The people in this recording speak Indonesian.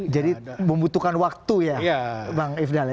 jadi membutuhkan waktu ya bang ifdal